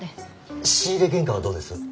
仕入れ原価はどうです？